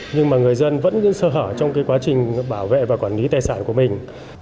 nhưng mà người dân vẫn sơ hở trong cái quá trình bảo vệ và quản lý tài sản của mình